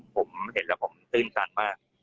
ผมเห็นแล้วผมตื้นตันมาก